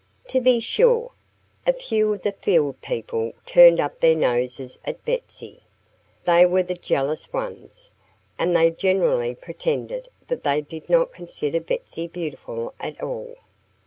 To be sure, a few of the field people turned up their noses at Betsy. They were the jealous ones. And they generally pretended that they did not consider Betsy beautiful at all.